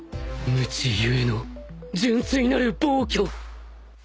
無知故の純粋なる暴挙